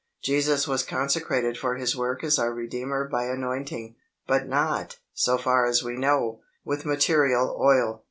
Jesus was consecrated for His work as our Redeemer by anointing, but not, so far as we know, with material oil.